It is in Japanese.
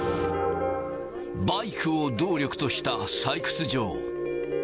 バイクを動力とした採掘場。